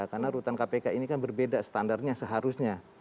karena rutan kpk ini kan berbeda standarnya seharusnya